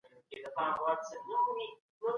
پر دښمن باندې ګړندی او سخت ګوزار وکړئ.